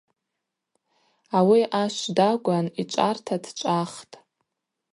Ауи ашв дагван йчӏварта дчӏвахтӏ.